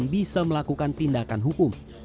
tidak akan melakukan tindakan hukum